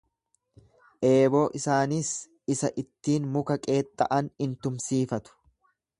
Eeboo isaaniis isa ittiin muka qeexxa'an in tumsiifatu.